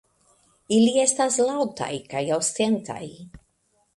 Ili estas laŭtaj kaj ostentaj.